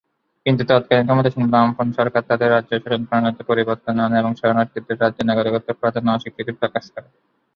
কিন্তু তৎকালীন ক্ষমতাসীন বামফ্রন্ট সরকার তাদের রাজ্য-শাসনপ্রণালীতে পরিবর্তন আনে এবং শরণার্থীদের রাজ্যের নাগরিকত্ব প্রদানে অস্বীকৃতি প্রকাশ করে।